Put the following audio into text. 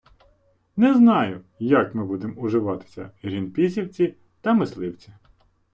Не знаю, як ми будемо уживатися: грінпісівці та мисливці....